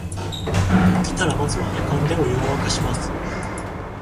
起きたらまずはやかんでお湯をわかします